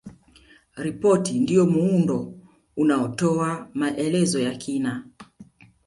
Ripoti ndiyo muundo unaotoa maelezo ya kina